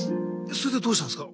それでどうしたんですか？